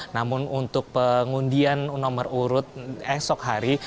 namun untuk pengundian nomor urut esok hari